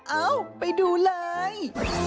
เอ้าไปดูเลย